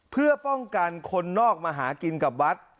เพื่อป้องกันคนนอกมาหากินกับวัด